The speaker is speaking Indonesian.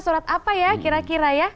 surat apa ya kira kira ya